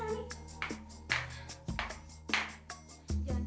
kemana sih bang sani